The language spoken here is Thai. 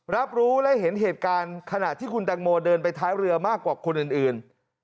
รับรู้และเห็นเหตุการณ์ขณะที่คุณตังโมเดินไปท้ายเรือมากกว่าคนอื่น